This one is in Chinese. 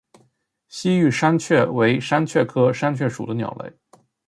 西域山雀为山雀科山雀属的鸟类。